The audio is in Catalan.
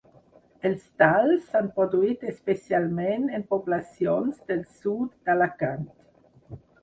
Els talls s’han produït especialment en poblacions del sud d’Alacant.